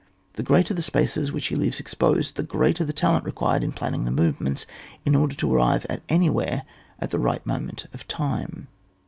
The greater the spaces which he leaves exposed, the greater the talent required in planning the movements, in order to arrive any where at the right moment of time.